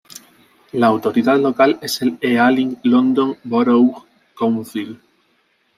La autoridad local es el Ealing London Borough Council.